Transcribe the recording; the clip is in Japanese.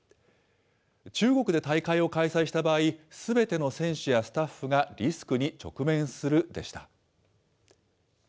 中国で大会を開催した場合、すべての選手やスタッフがリスクに直面するでした。